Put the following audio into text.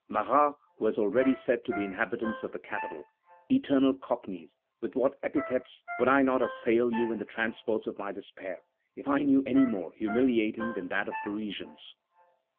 Marat, who had already said to the inhabitants of the capital: "Eternal cockneys, with what epithets would I not assail you in the transports of my despair, if I knew any more humiliating than that of Parisians?"